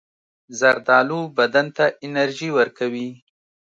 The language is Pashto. زردالو بدن ته انرژي ورکوي.